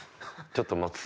ちょっと待つ？